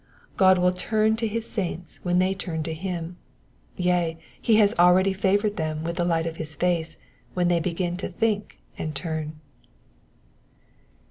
God will turn to his saints when they turn to him ; yea, he has already favoured them with the light of his face when they begin to think and turn.